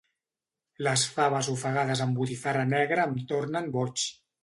Les faves ofegades amb botifarra negra em tornen boig.